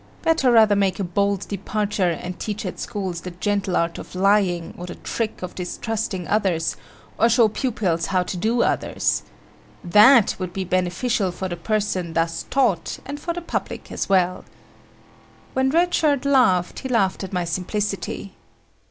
Better rather make a bold departure and teach at schools the gentle art of lying or the trick of distrusting others, or show pupils how to do others. That would be beneficial for the person thus taught and for the public as well. When Red Shirt laughed, he laughed at my simplicity.